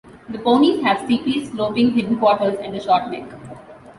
The ponies have steeply sloping hindquarters and a short neck.